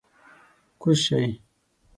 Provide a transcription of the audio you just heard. کوز شئ!